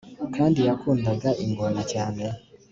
kandi yakundaga ingona cyane